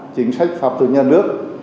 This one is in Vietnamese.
chính sách pháp thuật nhà nước